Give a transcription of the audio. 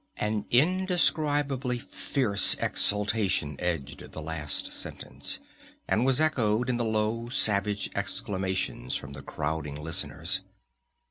An indescribably fierce exultation edged the last sentence, and was echoed in the low, savage exclamations from the crowding listeners.